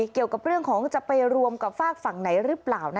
เกี่ยวกับเรื่องของจะไปรวมกับฝากฝั่งไหนหรือเปล่า